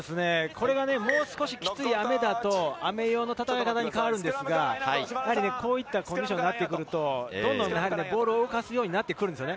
もう少しきつい雨だと、雨用の戦い方に変わるのですが、こういったコンディションになると、ボールを動かすようになってくるんです。